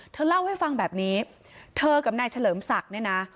เธอเล่าให้ฟังแบบนี้เธอกับนายเฉลิมศักดิ์เนี่ยนะ